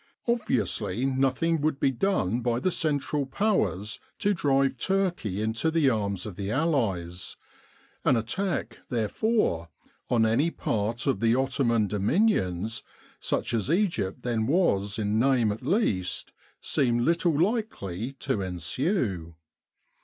Obviously nothing would be done by the Central Powers to drive Turkey into the arms of the Allies : an attack, therefore, on any part of the Ottoman dominions, such as Egypt then was in name at least, seemed little likely to ensue.